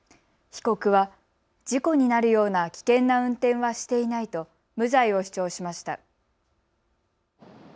被告は事故になるような危険な運転はしていないと無罪を主張しました。